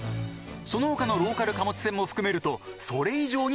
その他のローカル貨物線も含めるとそれ以上になります。